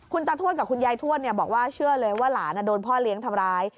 ตาทวดกับคุณยายทวดบอกว่าเชื่อเลยว่าหลานโดนพ่อเลี้ยงทำร้าย